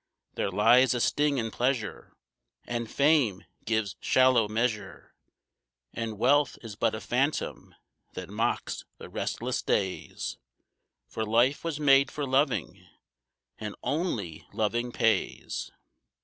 There lies a sting in pleasure, And fame gives shallow measure, And wealth is but a phantom that mocks the restless days, For life was made for loving, and only loving pays.